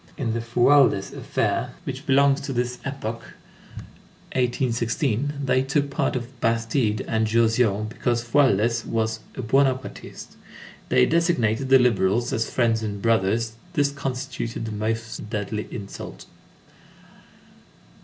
In the Fualdès affair, which belongs to this epoch, 1816, they took part for Bastide and Jausion, because Fualdès was "a Buonapartist." They designated the liberals as f_riends and brothers_; this constituted the most deadly insult.